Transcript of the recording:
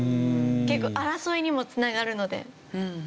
結構争いにも繋がるので。